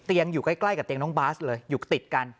อยู่ใกล้กับเตียงน้องบาสเลยอยู่ติดกัน